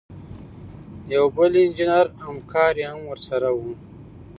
یو بل انجینر همکار یې هم ورسره و.